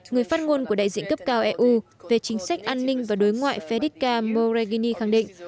người phát ngôn của đại diện cấp cao eu về chính sách an ninh và đối ngoại fedca moregini khẳng định